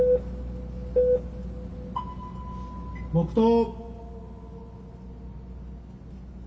黙とう。